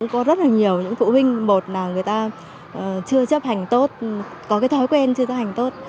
có rất là nhiều những phụ huynh một là người ta chưa chấp hành tốt có cái thói quen chưa chấp hành tốt